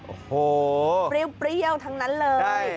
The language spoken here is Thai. โอ้โหเปรี้ยวทั้งนั้นเลย